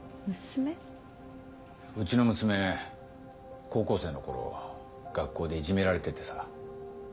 うちの娘高校生の頃学校でいじめられててさ。